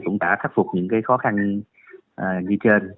cũng đã khắc phục những khó khăn như trên